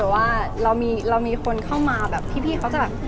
ใช่ค่ะบางทีแบบว่าเรามีคนเข้ามาแบบพี่เขาจะแบบ